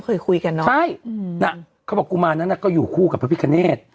เคยคุยกันเนอะใช่อืมน่ะเขาบอกกุมารนั้นก็อยู่คู่กับพระพิคเนต